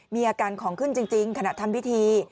มีอาการของขึ้นจริงขณะทำพิธี